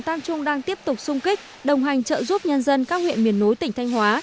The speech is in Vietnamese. tam trung đang tiếp tục sung kích đồng hành trợ giúp nhân dân các huyện miền núi tỉnh thanh hóa